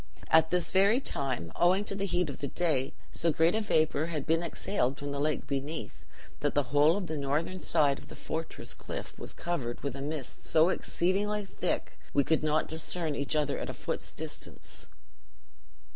At this very time, owing to the heat of the day, so great a vapor had been exhaled from the lake beneath that the whole of the northern side of the fortress cliff was covered with a mist so exceedingly thick we could not discern each other at a foot's distance.